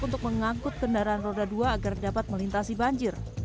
untuk mengangkut kendaraan roda dua agar dapat melintasi banjir